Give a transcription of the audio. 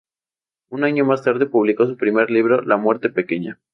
Un año más tarde publicó su primer libro, "La muerte pequeña".